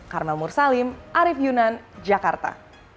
karmel mursalim arief yunan jakarta